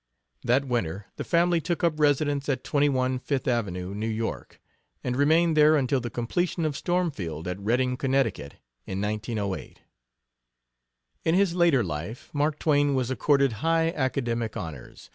That winter the family took up residence at 21 Fifth Avenue, New York, and remained there until the completion of Stormfield, at Redding, Connecticut, in 1908. In his later life Mark Twain was accorded high academic honors.